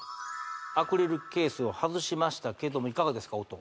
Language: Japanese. アクリルケースを外しましたけどもいかがですか？